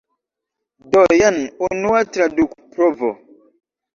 Do jen unua tradukprovo.